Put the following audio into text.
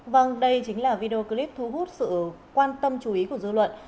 vâng đây chính là video clip thu hút sự quan tâm chú ý của dư luận